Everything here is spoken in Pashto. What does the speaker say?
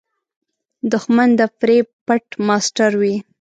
دښمن د فریب پټ ماسټر وي